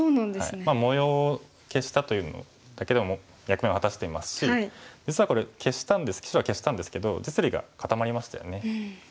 模様を消したというだけでも役目を果たしていますし実はこれ白は消したんですけど実利が固まりましたよね。